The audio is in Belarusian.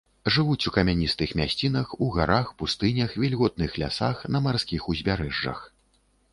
Жывуць у камяністых мясцінах, у гарах, пустынях, вільготных лясах, на марскіх узбярэжжах.